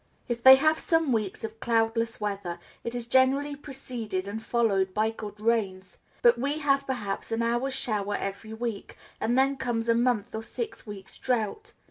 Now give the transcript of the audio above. If they have some weeks of cloudless weather, it is generally preceded and followed by good rains; but we have perhaps an hour's shower every week, and then comes a month or six weeks' drought.